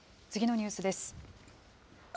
次のニュースです。